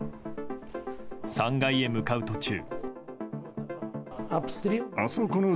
３階へ向かう途中。